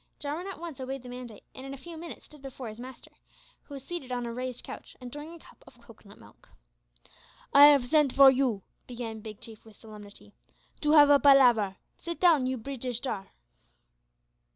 Jarwin at once obeyed the mandate, and in a few minutes stood before his master, who was seated on a raised couch, enjoying a cup of cocoanut milk. "I have send for you," began Big Chief with solemnity, "to have a palaver. Sit down, you Breetish tar."